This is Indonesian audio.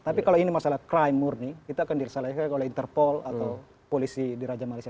tapi kalau ini masalah crime murni itu akan diselesaikan oleh interpol atau polisi di raja malaysia